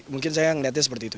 mungkin saya melihatnya seperti itu